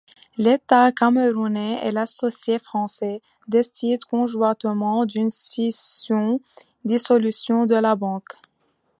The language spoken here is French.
L’état Camerounais et l’associé français décide conjointement d’une scission – dissolution de la banque.